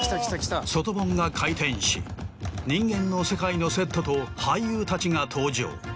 外盆が回転し人間の世界のセットと俳優たちが登場。